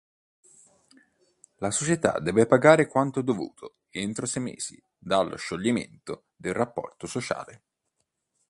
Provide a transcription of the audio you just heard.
La società deve pagare quanto dovuto entro sei mesi dallo scioglimento del rapporto sociale.